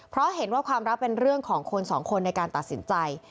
เพราะเห็นว่าความรักเป็นเรื่องของคนสองคนในการตัดสินใจ